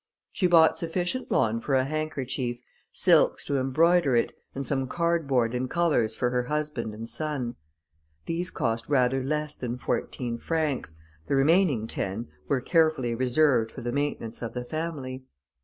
She bought sufficient lawn for a handkerchief, silks to embroider it, and some card board and colours for her husband and son. These cost rather less than fourteen francs; the remaining ten were carefully reserved for the maintenance of the family.